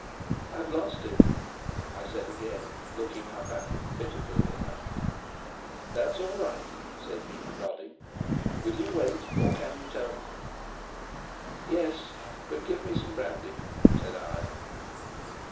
"I've lost it," I said again, looking up at him pitifully enough. "That's all right," said he, nodding. "Will you wait, or can you tell me?" "Yes, but give me some brandy," said I.